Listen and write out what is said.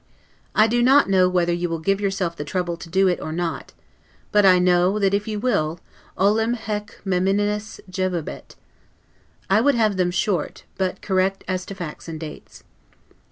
I do not know whether you will give yourself the trouble to do it or not; but I do know, that if you will, 'olim hcec meminisse juvabit'. I would have them short, but correct as to facts and dates.